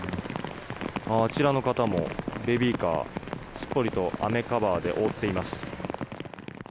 あちらの方もベビーカーをしっかりと雨カバーで覆っています。